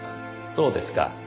そうですか。